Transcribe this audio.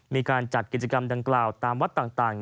มีการจัดกิจกรรมดังกล่าวตามวัดต่าง